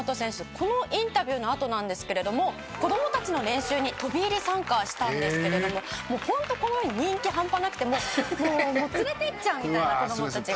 このインタビューのあとなんですけれども子供たちの練習に飛び入り参加したんですけれどももうホントこのように人気半端なくてもう連れていっちゃうみたいな子供たちが。